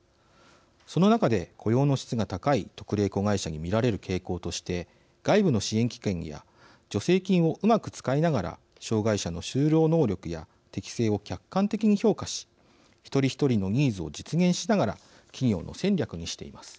その中で雇用の質が高い特例子会社に見られる傾向として外部の支援機関や助成金をうまく使いながら障害者の就労能力や適性を客観的に評価し一人一人のニーズを実現しながら企業の戦力にしています。